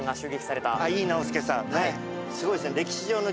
すごいですね。